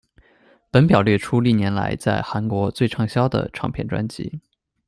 本表列出历年来在韩国最畅销的唱片专辑。